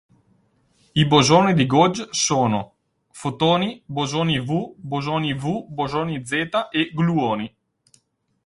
I bosoni di gauge sono: fotoni, bosoni W, bosoni W, bosoni Z e gluoni.